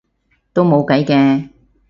都冇計嘅